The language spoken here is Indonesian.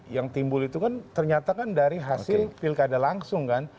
yang timbul itu kan ternyata kan dari hasil pilkada langsung kan